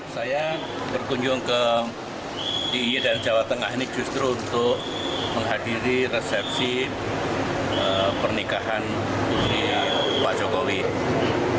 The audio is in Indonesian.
saya berkunjung ke i dan jawa tengah ini justru untuk menghadiri resepsi pernikahan putri pak jokowi